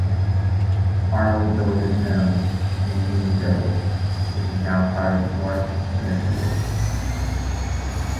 Arnold built his home in Union Village, which is now part of North Smithfield.